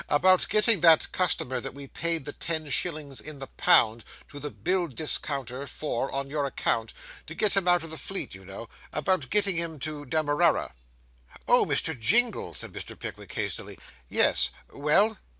'About getting that customer that we paid the ten shillings in the pound to the bill discounter for, on your account to get him out of the Fleet, you know about getting him to Demerara.' 'Oh, Mr. Jingle,' said Mr. Pickwick hastily. 'Yes. Well?